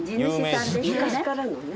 昔からのね